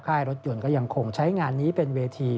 รถยนต์ก็ยังคงใช้งานนี้เป็นเวที